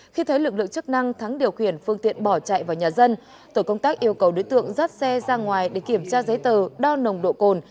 khi thấy lực lượng chức năng thắng điều khiển phương tiện bỏ chạy vào nhà dân tổ công tác yêu cầu đối tượng dắt xe ra ngoài để kiểm tra giấy tờ đo nồng độ cồn